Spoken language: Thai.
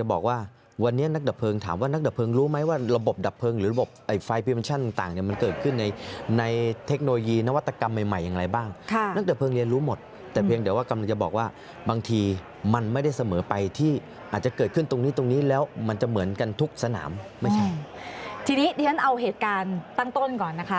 จะบอกว่าวันนี้นักดะเพิงถามว่านักดะเพิงรู้ไหมว่าระบบดับเพิงหรือระบบไฟล์พีมัชั่นต่างเนี้ยมันเกิดขึ้นในในเทคโนโลยีนวัตกรรมใหม่ยังไงบ้างค่ะนักดะเพิงเรียนรู้หมดแต่เพียงเดี๋ยวว่ากำลังจะบอกว่าบางทีมันไม่ได้เสมอไปที่อาจจะเกิดขึ้นตรงนี้ตรงนี้แล้วมันจะเหมือนกันทุกสน